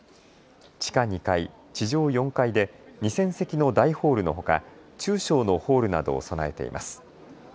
地下２階、地上４階で２０００席の大ホールのほか、中小のホールなどを備えています。